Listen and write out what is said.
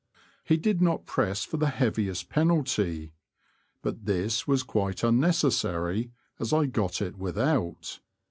He did not press for the heaviest penalty. But this was quite unnecessary, as I got it without.